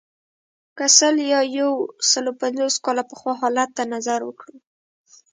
که سل یا یو سلو پنځوس کاله پخوا حالت ته نظر وکړو.